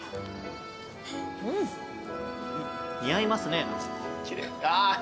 似合いますね。